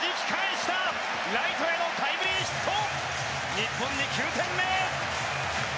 日本に９点目。